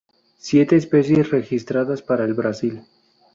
Siete especies registradas para el Brasil.